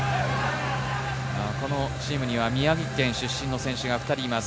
このチームには宮城県出身の選手が２人います。